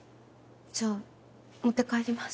じゃあ持って帰ります。